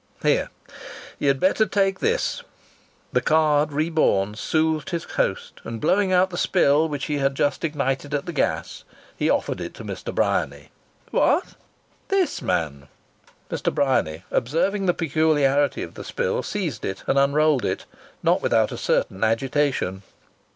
"Here, you'd better take this," the "Card," reborn, soothed his host and, blowing out the spill which he had just ignited at the gas, he offered it to Mr. Bryany. "What?" "This, man!" Mr. Bryany, observing the peculiarity of the spill, seized it and unrolled it not without a certain agitation.